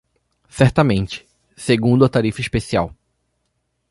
Certamente, segundo a tarifa especial.